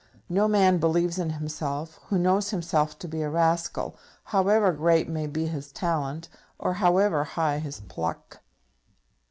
No man believes in himself who knows himself to be a rascal, however great may be his talent, or however high his pluck.